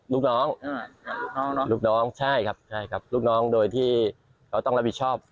ลูกน้องโดยที่เขาต้องรับบิจชอบ